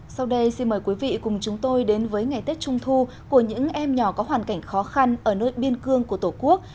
sau đây xin mời quý vị cùng chúng tôi đến với ngày tết trung thu của những em nhỏ có hoàn cảnh khó khăn ở nơi biên cương của tổ quốc